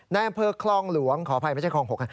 ในอำเภอคลองหลวงขออภัยไม่ใช่คลอง๖